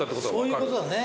そういうことだね。